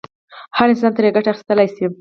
هر انسان ترې ګټه اخیستلای شي.